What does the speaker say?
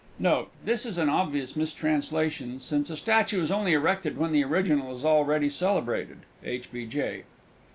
Note. This is an obvious mistranslation, since a Statue is only erected when the Original is already celebrated. H. B. J.